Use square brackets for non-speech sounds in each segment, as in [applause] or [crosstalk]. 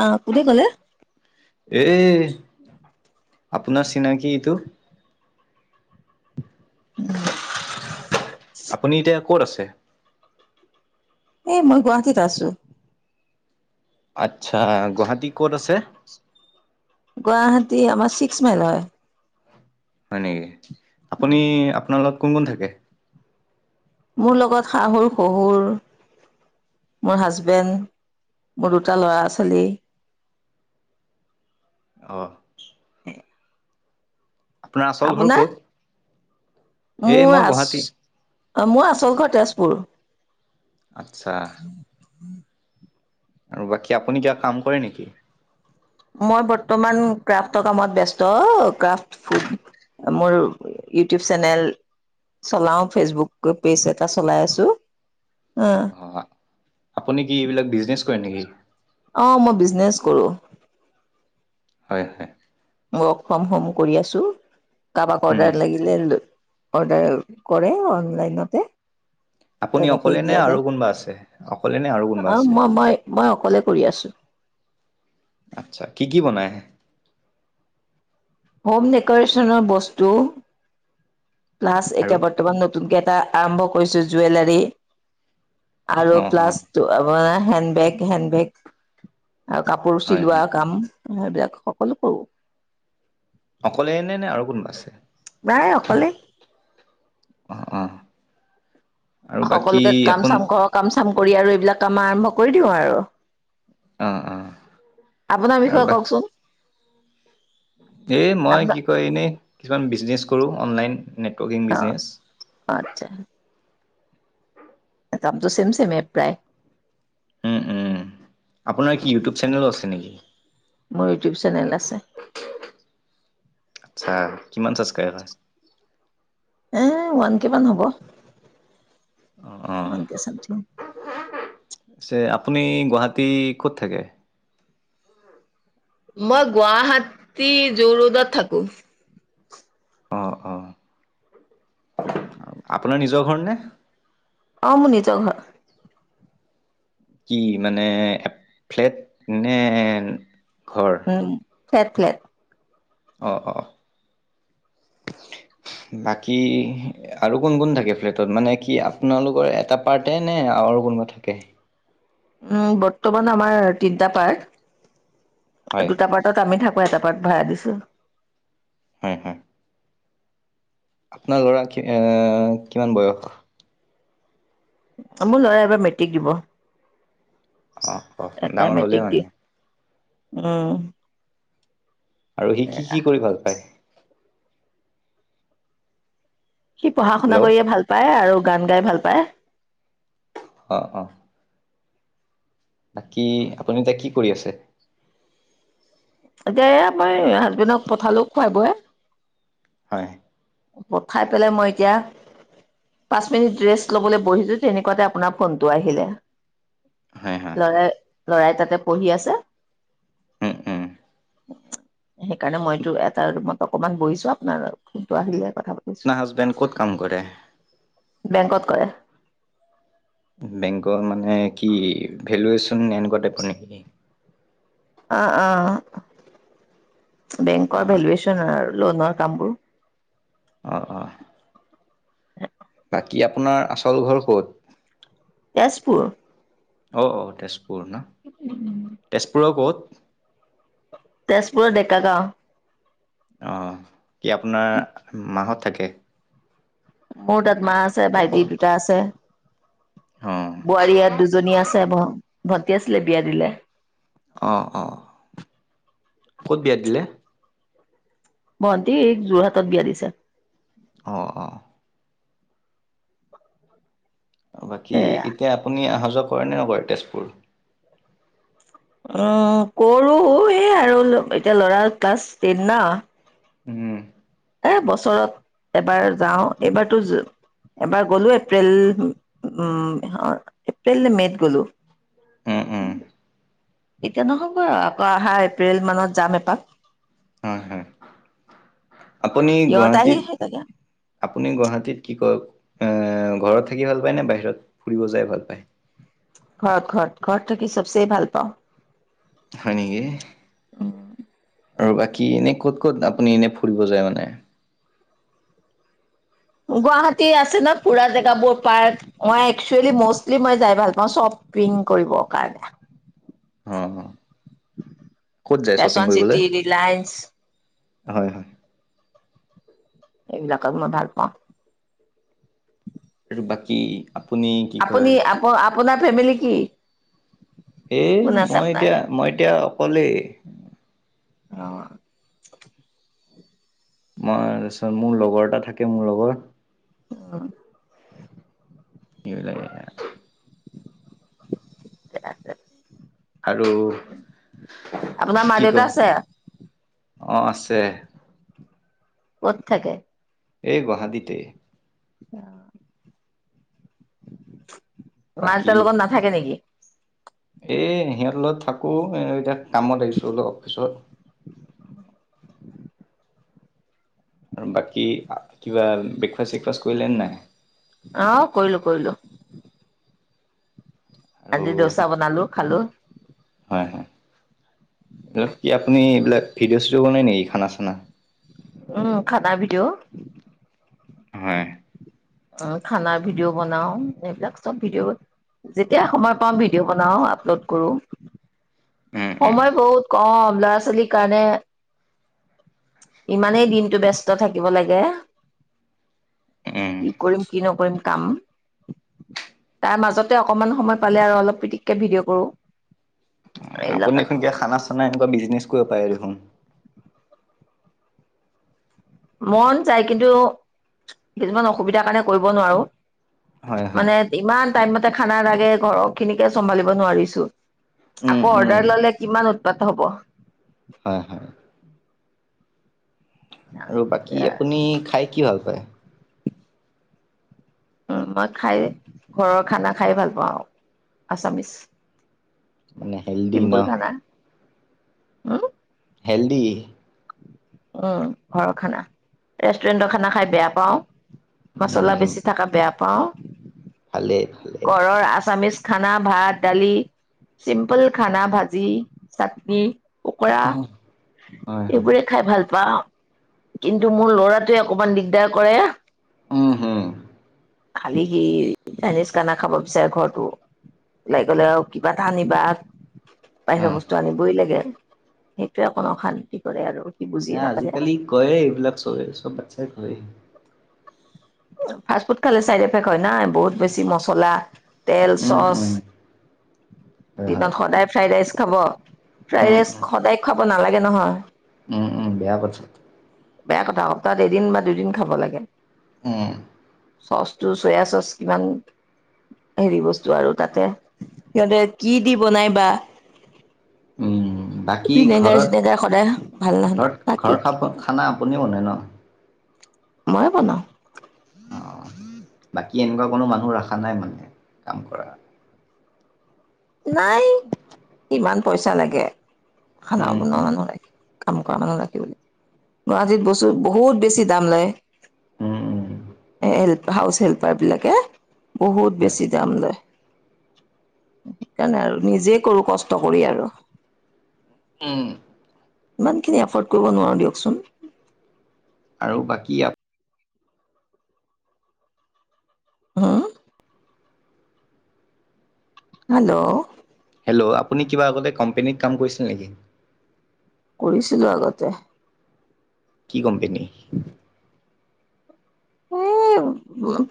অ', কোনে ক'লে? এ আপোনাৰ চিনাকি এইটো। আপুনি এতিয়া ক'ত আছে? এ মই গুৱাহাটীত আছো। আচ্ছা, গুৱাহাটীৰ ক'ত আছে? গুৱাহাটী, আমাৰ ছিক্স মাইল হয়। হয় নেকি, আপুনি আপোনাৰ লগত কোন কোন থাকে? মোৰ লগত শাহুৰ, শহুৰ মোৰ হাজবেণ্ড, মোৰ দুটা ল'ৰা ছোৱালী অ'। [unintelligible] আপোনাৰ আচল ঘৰ আপোনাৰ? ক'ত? এই মোৰ মই আচ গুৱাহাটী। মোৰ আচল ঘৰ তেজপুৰ। আচ্ছা। আৰু বাকী আপুনি কিবা কাম কৰে নেকি? মই বৰ্তমান ক্ৰাফ্টৰ কামত ব্যস্ত, ক্ৰাফট ফুড মোৰ ইউটিউব চেনেল চলাও ফেচবুক পেজ এটা চলাই আছোঁ। অ'। অ' আপুনি কি এইবিলাক বিজনেছ কৰে নেকি? অ' মই বিজনেচ কৰোঁ। হয়। ৱৰ্ক ফ্ৰম হোম কৰি আছোঁ, কাৰোবাক উম। অৰ্ডাৰ লাগিলে অৰ্ডাৰ কৰে অনলাইনতে। আপুনি তেনেকেই অকলে নে দিয়া আৰু যায়। কোনোবা আছে? অকলে নে আৰু কোনোবা অ' আছে? মই মই মই অকলে কৰি আছোঁ। আচ্ছা। কি কি বনাই? হোম ডেক'ৰেচনৰ বস্তু। প্লাছ আৰু? এতিয়া বৰ্তমান নতুনকে এটা আৰম্ভ কৰিছোঁ জুৱেলাৰী। আৰু অ', প্লাছ অ', আপোনাৰ হেণ্ডবেগ হেণ্ডবেগ। আৰু কাপোৰ হয় চিলোৱা হয়। কাম সেইবিলাক সকলো কৰো। অকলেনে নে আৰু কোনোবা আছে? নাই অকলেই। অ', অ'। আৰু বাকী সকলোকে কাম আপোন চাম, ঘৰৰ কাম চাম কৰি আৰু এইবিলাক কাম আৰম্ভ কৰি দিওঁ আৰু। অ', অ'। আপোনাৰ আৰু বিষয়ে বাকী কওকচোন। এই মই আপোনাৰ কি কয় এনেই কিছুমান বিজনেছ কৰোঁ, অনলাইন নেটৱৰ্কিং বিজনেছ। আটচা। কামটো চেম চেমেই প্ৰায়। উম, উম, আপোনাৰ কি ইউটিউব চেনেলো আছে নেকি? মোৰ ইউটিউব চেনেল আছে। আচ্ছা। কিমান চাবস্ক্ৰাইবাৰ? এ, ওৱানকে মান হ'ব, অ', অ', ওৱান কে চামথিং। পিছে আপুনি গুৱাহাটী ক'ত থাকে? মই গুৱাহাটী যোৰ ৰোডত থাকোঁ। অ', অ'। আপোনাৰ নিজৰ ঘৰনে? অ' মোৰ নিজৰ ঘৰ। কি মানে এ, ফ্লেট নে ঘৰ? উম, ফ্লেট ফ্লেট। অ', অ'। বাকী আৰু কোন কোন থাকে ফ্লেটত, মানে কি আপোনালোকৰ এটা পাৰ্তে নে আৰু কোনোবা থাকে? উম, বৰ্তমান আমাৰ তিনটা পাৰ্ট, হয়, দুটা পাৰ্ট টাত আমি থাকোঁ, এটা পাৰ্ট ভাড়া দিছোঁ। হু, হু। আপোনাৰ ল'ৰা কি এ, কিমান বয়স? মোৰ ল'ৰা এইবাৰ মেট্ৰিক দিব। অ', অ', এটাই ডাঙৰ হ'লেই মেট্ৰিক মানে দিয়ে। উম। আৰু সি কি কি কৰি ভাল পায়? সি পঢ়া শুনা হেল্ল' কৰিয়ে ভাল পায় আৰু গান গাই ভাল পায়। অ', অ'। বাকী আপুনি এতিয়া কি কৰি আছে? এতিয়া এয়া মই হাজবেণ্ডক পঠালোঁ খুৱাই বুৱাই। হয়। পঠাই পেলাই মই এতিয়া পাঁচ মিনিট ৰেষ্ট ল'বলৈ বহিছোঁ তেনেকুৱাতে আপোনাৰ ফোনটো আহিলে। হয়, হয়, ল'ৰাই ল'ৰাই তাতে পঢ়ি আছে। উম, উম, সেইকাৰণে মইতো এটা ৰুমত অকনমান বহিছোঁ, আপোনাৰ ফোনটো আহিলেহে কথা পা পোনাৰ হাজবেণ্ড ক'ত কাম কৰে? বেংকত কৰে। বেংকৰ মানে কি ভেলুৱেচন এনেকুৱা টাইপৰ নেকি? অ', অ'। বেংকৰ অ', ভেলুৱেচন আৰু লোনৰ কামবোৰ। অ', অ'। হে বাকী আপোনাৰ আচল ঘৰ ক'ত? তেজপুৰ। অ', অ' তেজপুৰ ন'। তেজপুৰৰ ক'ত? তেজপুৰৰ ডেকাৰ গাঁও। অ' কি আপোনাৰ মাহঁত থাকে? মোৰ তাত মা আছে, ভাইটি দুটা আছে। অ', বোৱাৰী ইয়াত দুজনী আছে, ভণ্টি আছিলে বিয়া দিলে। অ', অ'। ক'ত বিয়া দিলে? ভণ্টিক এই যোৰহাটত বিয়া দিছে। অ', অ'। বাকী এয়া। এতিয়া আপুনি আহা যোৱা কৰে নে নকৰে তেজপুৰ? উম, কৰোঁ এ, আৰু এতিয়া ল'ৰা ক্লাছ টেন না। উম। বছৰত এবাৰ যাওঁ, এইবাৰতো এবাৰ গ'লো এপ্ৰিল উ, এপ্ৰিল নে মে'ত গ'লো। উম, উম, এতিয়া নহ'ব আকৌ অহা এপ্ৰিল মানত যাম এপাক। হয় হয়। আপুনি সিহঁত আহি গুৱাহাটীত সেই থাকে আপুনি গুৱাহাটীত কি কক, এ, ঘৰত থাকি ভাল পায় নে বাহিৰত ফুৰিব যাই ভাল পায়? ঘৰত ঘৰত, ঘৰত থাকি চবচে ভাল পাওঁ। হয় নেকি, আৰু বাকী এনে ক'ত ক'ত আপুনি এনে ফুৰিব যায় মানে? গুৱাহাটী আছে ন' পুৰা জেগা বৰ পাৰ্ক। মই একচুৱেলি মষ্টলি মই যাই ভাল পাওঁ চব প্ৰিণ কৰিবৰ কাৰণে। অ' ক'ত যায় ফেশ্বন শ্বপিং কৰিবলৈ? চিটি ৰিলায়েন্স হয় হয়। এইবিলাকক মই ভাল পাওঁ। আৰু বাকী? আপুনি কি কয় আপুনি, আপোনাৰ ফেমিলি কি? এ, কোন আছে মই আপোনাৰ এতিয়া, মই এতিয়া অকলেই। অ'। মই তাৰপিছত মোৰ লগৰ এটা থাকে মোৰ লগত। অ'। সেইবিলাকে আৰু। ঠিকে আছে। আৰু আপোনাৰ মা দেউতা আছে? অঁ, আছে। ক'ত থাকে? এই গুৱাহাটিতে। অ। [inaudible] বাকী মা-দেউতাৰ লগত নাথাকে নেকি? এ, সিহঁতৰ লগত থাকোঁ, এতিয়া কামত আহিছোঁ অলপ অফিচত আৰু বাকী কিবা ব্ৰেকফাষ্ট চেকফাষ্ট কৰিলে নে নাই? অ', কৰিলোঁ কৰিলোঁ। আৰু আজি দৌচা বনালো খালো হয় হয়, এইবিলাক কি আপুনি এইবিলাক ভিডিঅ' চিডি বানাই নেকি খানা চানা? উম, খানা ভিটোও। হয়। অ', খানাৰ ভিডিঅ' বনাও, এইবিলাক চব ভিডিঅ' যেতিয়াাই সময় পাাম ভিডিঅ' বনাও আপলোড কৰোঁ উম উম সময় বহুত কম ল'ৰা ছোৱালীৰ কাৰণে ইমানেই দিনটো ব্যস্ত থাকিব লাগে উম। কি কৰিম, কি নকৰিম কাম তাৰ মাজতে অকমান সময় পালে আৰু অলপ পিটিককে ভিডিঅ' কৰোঁ। আপুনি সেনেকে খানা চানা এনেকুৱা বিজনেছ কৰিব পাৰে দেখোন। মন যাই কিন্তু, কিছুমান অসুবিধাৰ কাৰণে কৰিব নোৱাৰোঁ হয় হয় মানে ইমান টাইমতে খানা লাগে ঘৰৰ খিনিকে চমভালিব নোৱাৰিছো উম আকৌ উম অৰ্ডাৰ ললে কিমান উৎপাত হব। হয় হয়। আৰু বাকী আপুনি খাই কি ভাল পায়? উম মই [inaudible] খাই ঘৰৰ খানা খাই ভাল পাওঁ আৰু আছামিচ। মানে [inaudible] চিম্পুল খানা, হম। হেল্দি। উম ঘৰৰ খানা, ৰেষ্টুৰেণ্টৰ খানা খাই বেয়া পাওঁ। মচলা উম বেচি থকা বেয়া পাওঁ, ভালে ভালে ঘৰৰ আচামিছ খানা ভাত দালি, চিম্পল খানা ভাঁজি, চাটনি, কুকুৰা হয় হয় এইবোৰে খাই ভাল পাওঁ। কিন্তু, মোৰ লৰাটোৱে অকমান দিগদাৰ কৰে। অঁ হা [inaudible] খালি সি, চাইনিজ খানা খাব বিচাৰে ঘৰতটো ওলাই গ'লে আৰু কিবা আনিবা বাহিৰৰ উম। বস্তু আনিবই লাগে, সেইটোৱে অকল অশান্তি কৰে আৰু। সি বুজি ন নাপালে আজিকালি কৰে এইবিলাক চবে, চব বাচ্ছাই কৰে। ফাষ্ট ফুড খালে চাইড এফেক্ট হয় না, বহুত বেছি মছলা তেল উম চচ, উম হয় দিনত হয় সদায় ফ্ৰাইড ৰাইচ খাব। ফ্ৰাইড উম ৰাইচ উম সদায় খাব নালাগে নহয়। উম, উম, বেয়া পাৰছে বেয়া কথা ক তাত [inaudible] [unintelligible] এদিন বা দুদিন খাব লাগে। অঁ। চচটো চয়া চচ কিমান হেৰি বস্তু আৰু তাতে, সিহঁতে কি দি বনাই বা উম, বাকী ভিনেগাৰ ঘৰত, চিনেগাৰ সদায় ভাল নাহ ঘৰত বাকী ঘৰ কি খাব খানা আপুনি বনায় ন? মইে বনাওঁ। অ', বাকী এনেকুৱা কোনো মানুহ ৰখা নাই মানে কাম কৰা। নাই ইমান পইচা লাগে, খানা উম বনোৱা উম মানুহ কাম কৰা মানুহ ৰাখিবলৈ, গুৱাহাটীত বস্তু বহুত বেছি দাম লয়। উম উম হেল্প, হাউচ হেল্পাৰবিলাকে বহুত হয়। বেছি দাম লয়। তেনে আৰু, নিজে কৰো কষ্ট কৰি আৰু। উম। ইমানখিনি এফৰ্ড কৰিব নোৱাৰোঁ দিয়কচোন। আৰু বাকী ইয়া হম হেল্ল'। হেল্ল'। আপুনি কিবা আগতে কোম্পেনীত কাম কৰিছিল নেকি? কৰিছিলো আগতে। কি কোম্পোনী? এই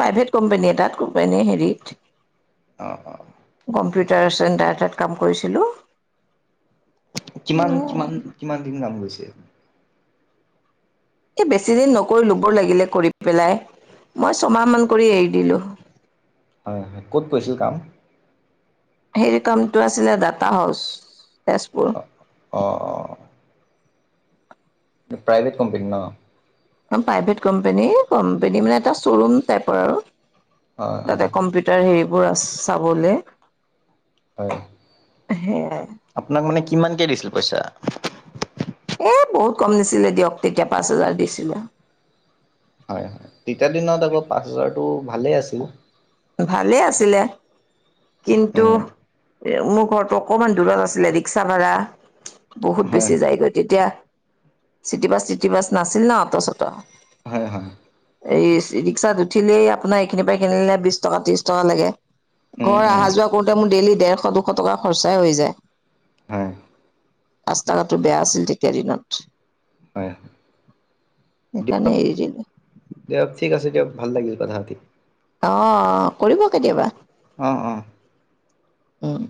প্ৰাইভেট কোম্পেনী এটাত, কোম্পেনী হেৰিত অ', অ'। কম্পিউটাৰ চেণ্টাৰ এটাত কাম কৰিছিলোঁ। কিমান, কিমান, কিমান দিন কাম কৰিছে? এ বেছিদিন নকৰিলো বৰ লাগিলে কৰি পেলাই, মই ছমাহমান কৰি এৰি দিলোঁ। হয়, হয়, ক'ত কৈৰিছিল কাম? হেৰি কামটো আছিলে দাটা হাউচ, তেজপুৰ। অ', অ'। প্ৰাইভেট কোম্পানী নহ। প্ৰাইভেট কোম্পেনী, কোম্পেনী মানে এটা শ্বৰুম টাইপৰ আৰু হয়, হয়, তাতে কম্পি তাৰ, হেৰিবোৰ আ চাবলে। হয়, সেয়াই আপোনাক মানে কিমানকে দিছিল পইচা? এই বহুত কম নিছিলে দিয়ক, তেতিয়া পাঁচ হোজাৰ দিছিলে। হয়, হয়, তেতিয়াৰ দিনত আকৌ পাঁচ হাজাৰটো ভালে আছিল। ভালেই আছিলে, কিন্তু উম, এ মোৰ ঘৰতো অকমান দূৰত আছিলে, ৰিক্সা ভাড়া বহুত হয়। বেছি যায়গৈ, তেতিয়া চিটিবাছ টিটিবাছ নাছিল না অটো-চটো। হয়, হয়। এই ৰিক্সাত উঠিলেই আপোনাৰ এইখিনি পৰা, এই খিনিলে বিশ টকা, ত্ৰিশ টকা লাগে। উম, ঘৰ উম, আহা যোৱা কৰোঁতে মোৰ ডেইলী ডেৰশ, দুশ টকা খৰচাই হৈ যায়। হয়। ৰাস্তা-ঘাটো বেয়া আছিল তেতিয়াৰ দিনত। হয়। সেইকাৰণে এৰি দিলো। দিয়ক ঠিক আছে দিয়ক, ভাল লাগিল কথা পাতি। অ', কৰিব কেতিয়াবা। অ', অ'। উম।